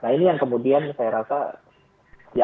nah ini yang kemudian saya rasa ya kemudian